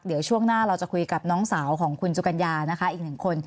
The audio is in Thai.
เดี๋ยวช่วงหน้าเราจะคุยกับน้องสาวของคุณสุกัญญานะคะอีกหนึ่งคน